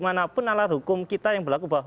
mana pun nalar hukum kita yang berlaku bahwa